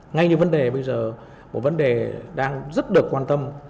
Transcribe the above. ngay như vấn đề bây giờ một vấn đề đang rất được quan tâm